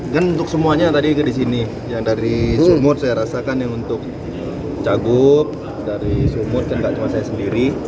kan untuk semuanya tadi di sini yang dari sumur saya rasakan yang untuk cagup dari sumur kan gak cuma saya sendiri